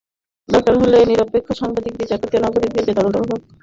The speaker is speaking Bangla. দরকার হলে নিরপেক্ষ সাংবাদিক, বিচারপতি ও নাগরিকদের দিয়ে তদন্ত করা হোক।